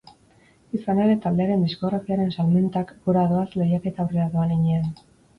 Izan ere, taldearen diskografiaren salmentak gora doaz lehiaketa aurrera doan heinean.